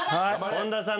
本田さん。